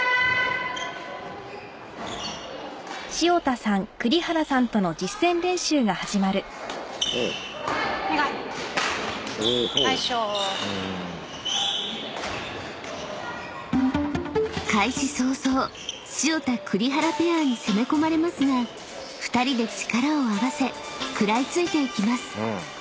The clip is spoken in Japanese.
「お願い」「ナイッショ」［開始早々潮田・栗原ペアに攻め込まれますが２人で力を合わせ食らいついていきます］